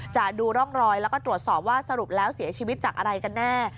จะดูร่องรอยแล้วก็ตรวจสอบว่าสรุปแล้วเสียชีวิตจากอะไรกันแน่